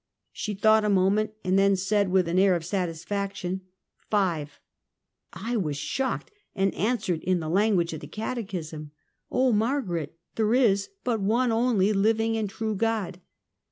She thought a moment, and then said, with an air of satisfaction: "Five." I was shocked, and answered in the language of the catechism :" O Margaret !' There is but one only living and true God.'